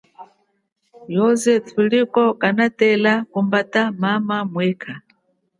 Yoze thuliwa kanatambe kumbata mama mwekha.